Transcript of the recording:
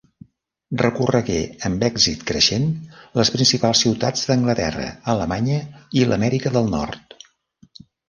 Recorregué amb èxit creixent les principals ciutats d'Anglaterra, Alemanya i l'Amèrica del Nord.